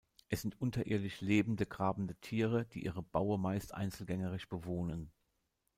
Es sind unterirdisch lebende, grabende Tiere, die ihre Baue meist einzelgängerisch bewohnen.